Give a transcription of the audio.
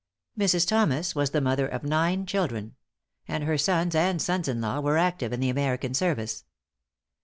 Mrs. Thomas was the mother of nine children; and her sons and sons in law were active in the American service.